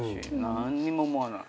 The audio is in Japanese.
何にも思わない。